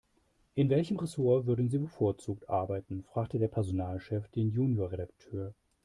In welchem Ressort würden Sie bevorzugt arbeiten?, fragte der Personalchef den Junior-Redakteur.